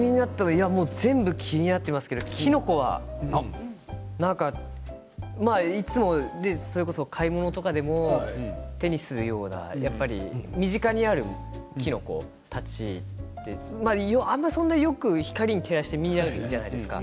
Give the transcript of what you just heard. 全部気になりますけどきのこはいつも買い物とかでも手にするような身近にあるきのこたちあまりそんなよく光に照らしたりして見ないじゃないですか。